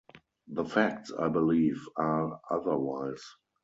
The facts, I believe, are otherwise.